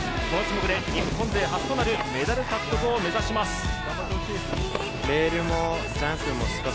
この種目で日本勢初となるメダル獲得を目指します。